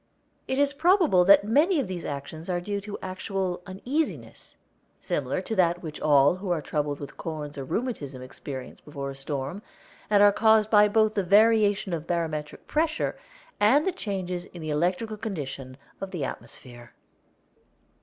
It is probable that many of these actions are due to actual uneasiness, similar to that which all who are troubled with corns or rheumatism experience before a storm, and are caused both by the variation in barometric pressure and the changes in the electrical condition of the atmosphere.